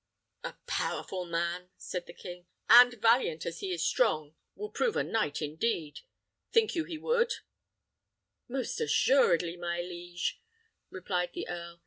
"A powerful man," said the king; "and, if he be but as dexterous and valiant as he is strong, will prove a knight indeed. Think you he would?" "Most assuredly, my liege," replied the earl.